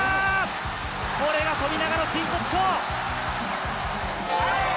これが富永の真骨頂。